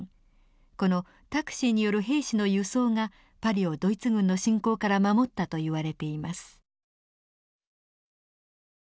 このタクシーによる兵士の輸送がパリをドイツ軍の侵攻から守ったといわれています。